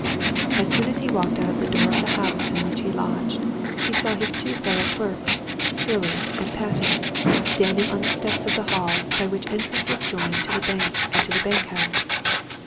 As soon as he walked out of the door of the house in which he lodged he saw his two fellow clerks, Shirley and Patten, standing on the steps of the hall by which entrance was joined to the bank and to the bank house.